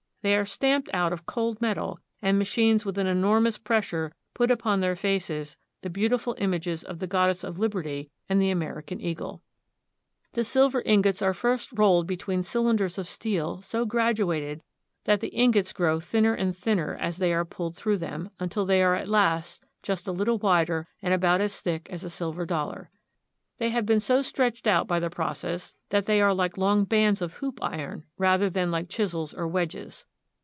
They are stamped out of cold metal, and ma chines with an enormous pressure put upon their faces the beautiful images of the goddess of liberty and the Ameri CARP. N. AM.— 4 56 PHILADELPHIA. can eagle. The silver ingots are first rolled between cyl inders of steel so graduated that the ingots grow thinner and thinner as they are pulled through them, until they are at last just a little wider and about as thick as a silver dol lar. They have been so stretched out by the process that they are like long bands of hoop iron rather than like chisels or wedges.